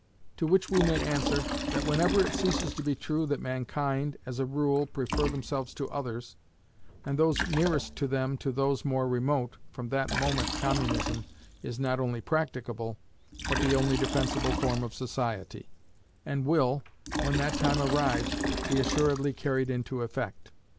To which we may answer, that whenever it ceases to be true that mankind, as a rule, prefer themselves to others, and those nearest to them to those more remote, from that moment Communism is not only practicable, but the only defensible form of society, and will, when that time arrives, be assuredly carried into effect.